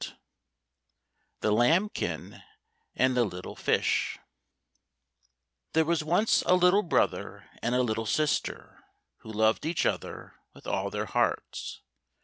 141 The Lambkin and the Little Fish There were once a little brother and a little sister, who loved each other with all their hearts.